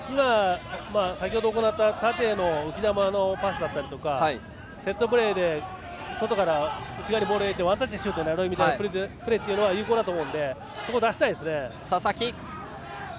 先ほど行った縦への浮き球のパスだったりセットプレーで外から内側にボールを入れてワンタッチでシュートというプレーというのは有効だと思うのでそこを出したいですね。